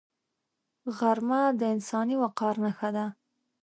غرمه د انساني وقار نښه ده